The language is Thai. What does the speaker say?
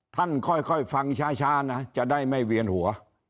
ท่านค่อยฟังช้านะจะได้ไม่เวียนหัว